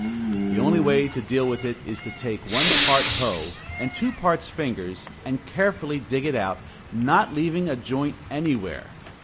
The only way to deal with it is to take one part hoe and two parts fingers, and carefully dig it out, not leaving a joint anywhere.